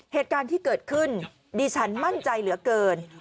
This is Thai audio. เหตุการณ์ที่เกิดขึ้นดิฉันมั่นใจเหลือเกิน